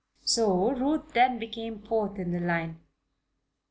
So Ruth then became fourth in the line.